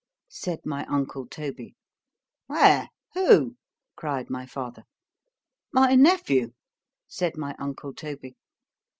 said my uncle Toby——Where——Who? cried my father.——My nephew, said my uncle _Toby.